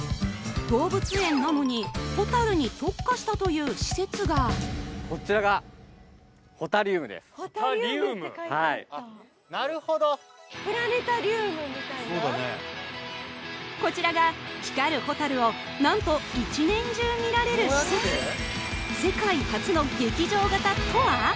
動物園なのにホタルに特化したという施設がこちらがほたリウムはいこちらが光るホタルを何と一年中見られる施設世界初の劇場型とは？